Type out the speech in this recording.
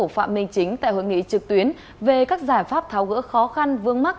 phạm minh chính tại hội nghị trực tuyến về các giải pháp tháo gỡ khó khăn vương mắc